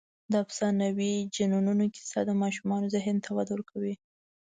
د افسانوي جنونو کیسه د ماشومانو ذهن ته وده ورکوي.